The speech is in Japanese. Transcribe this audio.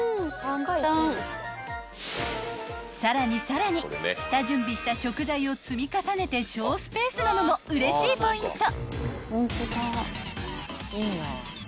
［さらにさらに下準備した食材を積み重ねて省スペースなのもうれしいポイント！］